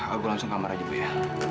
aku langsung kamar aja bu ya